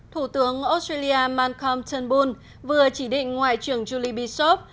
thủ tướng australia malcolm turnbull vừa chỉ định ngoại trưởng julie bishop